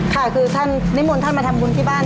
ค่ะคือท่านนิมนต์ท่านมาทำบุญที่บ้าน